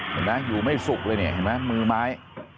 เห็นไหมอยู่ไม่สุกเลยเนี่ยเห็นไหมมือไม้